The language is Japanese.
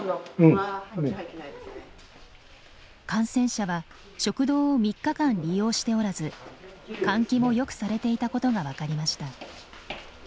感染者は食堂を３日間利用しておらず換気もよくされていたことが分かりました。